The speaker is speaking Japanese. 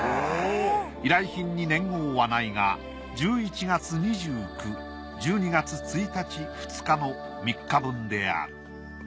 依頼品に年号はないが１１月２９１２月１日２日の３日分である。